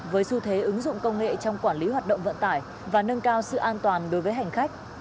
với xu thế ứng dụng công nghệ trong quản lý hoạt động vận tải và nâng cao sự an toàn đối với hành khách